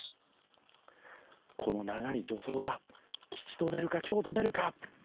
この長い助走が吉と出るか凶と出るか？